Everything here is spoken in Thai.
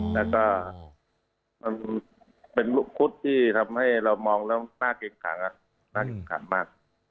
แล้วก็เป็นลูกคุศที่ทำให้เรามองแล้วหน้าเก่งขังมาก